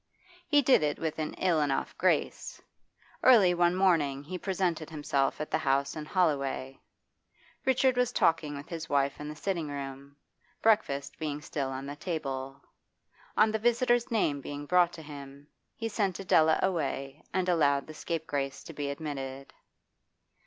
He did it with an ill enough grace. Early one morning he presented himself at the house in Holloway. Richard was talking with his wife in the sitting room, breakfast being still on the table. On the visitor's name being brought to him, he sent Adela away and allowed the scapegrace to be admitted.